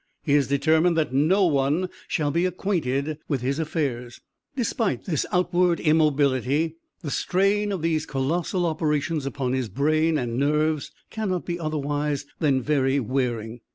He is determined that no one shall be acquainted with his affairs. Despite this outward immobility, the strain of these colossal operations upon his brain and nerves cannot be otherwise than very wearing.